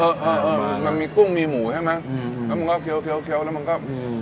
เออเออมันมีกุ้งมีหมูใช่ไหมอืมแล้วมันก็เคี้ยเคี้ยวแล้วมันก็อืม